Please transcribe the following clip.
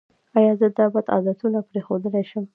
ایا زه دا بد عادتونه پریښودلی شم؟